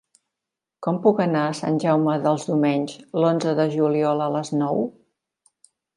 Com puc anar a Sant Jaume dels Domenys l'onze de juliol a les nou?